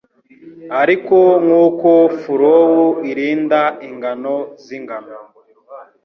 Ariko nkuko furrow irinda ingano z'ingano